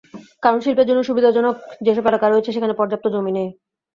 কারণ শিল্পের জন্য সুবিধাজনক যেসব এলাকা রয়েছে সেখানে পর্যাপ্ত জমি নেই।